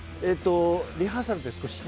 リハーサルで少し。